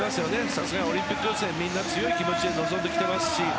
さすがオリンピック予選みんな強い気持ちで臨んできてますし。